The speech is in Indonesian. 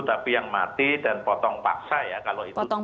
tapi yang mati itu berapa persennya yang kemudian mati pak teguh